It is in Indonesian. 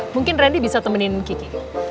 mungkin randy bisa temenin kiki